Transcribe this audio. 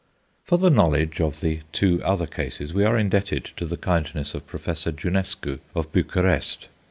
For the knowledge of the two other cases we are indebted to the kindness of Professor Jounescu of Bucharest.